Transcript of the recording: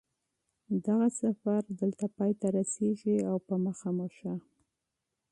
دغه سفر دلته پای ته رسېږي او په مخه مو ښه